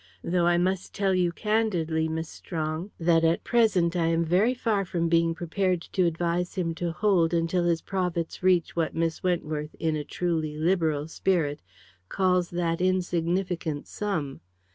"Though I must tell you candidly, Miss Strong, that at present I am very far from being prepared to advise him to hold until his profits reach what Miss Wentworth, in a truly liberal spirit, calls that insignificant sum.